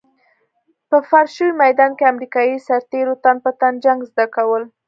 په فرش شوي ميدان کې امريکايي سرتېرو تن په تن جنګ زده کول.